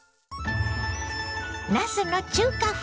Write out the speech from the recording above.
なすの中華風